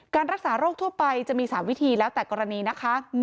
รักษาโรคทั่วไปจะมี๓วิธีแล้วแต่กรณีนะคะ